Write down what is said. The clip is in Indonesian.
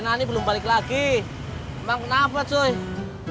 jangan lupa like share dan subscribe ya